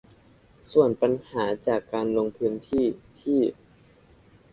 ส่วนปัญหาจากการลงพื้นที่ที่